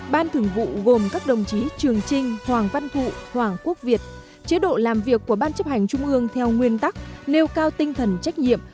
ban thường vụ gồm các đồng chí trường trinh hoàng văn thụ hoàng quốc việt chế độ làm việc của ban chấp hành trung ương theo nguyên tắc nêu cao tinh thần trách nhiệm